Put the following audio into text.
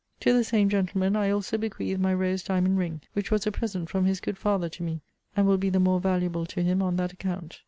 To the same gentleman I also bequeath my rose diamond ring, which was a present from his good father to me; and will be the more valuable to him on that account.